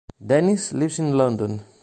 Dennis lives in London.